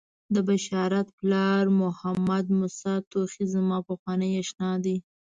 د بشارت پلار محمدموسی توخی زما پخوانی آشنا دی.